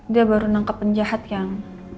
dia baru nangkep penjahat yang